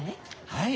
はい。